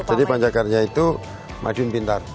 jadi pancakarnya itu madiun pintar